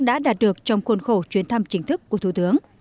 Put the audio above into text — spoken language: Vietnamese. đã đạt được trong khuôn khổ chuyến thăm chính thức của thủ tướng